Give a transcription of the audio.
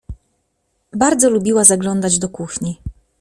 Bardzo lubiła zaglądać do kuchni.